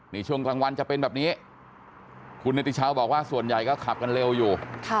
นี่ช่วงกลางวันจะเป็นแบบนี้คุณเนติชาวบอกว่าส่วนใหญ่ก็ขับกันเร็วอยู่